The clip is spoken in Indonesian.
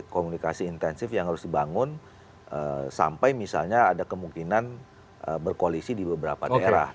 komunikasi intensif yang harus dibangun sampai misalnya ada kemungkinan berkoalisi di beberapa daerah